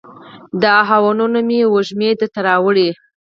د آهونو مې وږمې درته راوړي